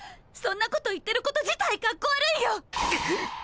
そんなこと言ってること自体かっこ悪いよ！